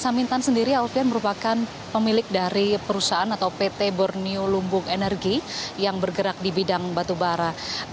samintan sendiri alfian merupakan pemilik dari perusahaan atau pt borneo lumbung energi yang bergerak di bidang batubara